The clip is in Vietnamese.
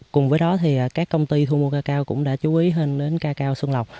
cùng với đó thì các công ty thu mua ca cao cũng đã chú ý hình đến ca cao xuân lộc